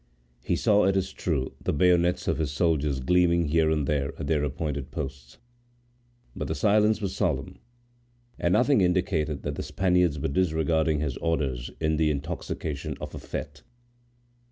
He saw, it is true, the bayonets of his soldiers gleaming here and there at their appointed posts; but the silence was solemn, and nothing indicated that the Spaniards were disregarding his orders in the intoxication of a fete.